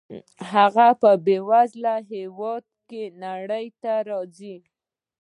هغه په بې وزله هېواد کې نړۍ ته راځي.